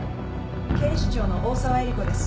警視庁の大澤絵里子です。